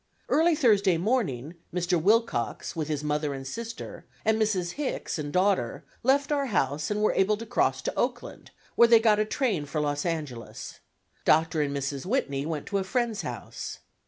Early Thursday morning Mr. Wilcox, with his mother and sister, and Mrs. Hicks and daughter left our house and were able to cross to Oakland, where they got a train for Los Angeles. Dr. and Mrs. Whitney went to a friend's house.